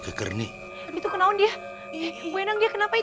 lo boleh lihat queensland makahei